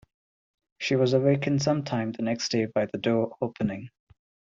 She was awakened some time the next day by the door opening.